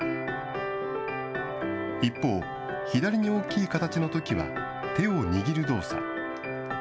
一方、左に大きい形のときは手を握る動作。